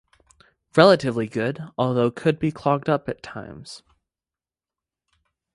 Relatively good, although could be clogged up at times.